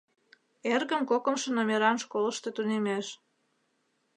— Эргым кокымшо номеран школышто тунемеш.